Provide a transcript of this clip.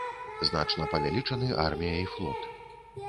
Значна павялічаны армія і флот.